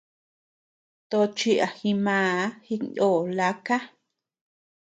Tochi a jimàà jiknó laka.